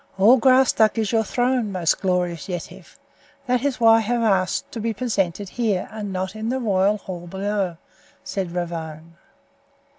"All Graustark is your throne, most glorious Yetive. That is why I have asked to be presented here and not in the royal hall below," said Ravone.